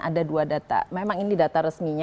ada dua data memang ini data resminya